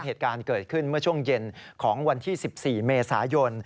เหตุการณ์เกิดขึ้นเมื่อช่วงเย็นของวันที่๑๔เมษายน